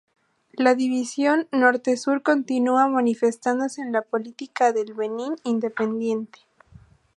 La división norte-sur continúa manifestándose en la política del Benín independiente.